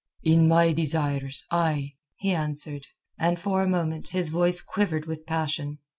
"In my desires—ay!" he answered, and for a moment his voice quivered with passion.